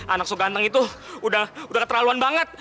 anak sok ganteng itu udah keterlaluan banget